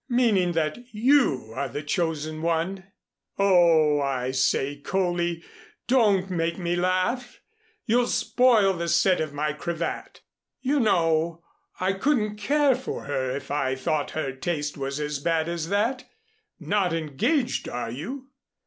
"Meaning that you are the chosen one? Oh, I say, Coley, don't make me laugh. You'll spoil the set of my cravat. You know, I couldn't care for her if I thought her taste was as bad as that. Not engaged are you?"